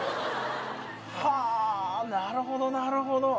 はあなるほどなるほど。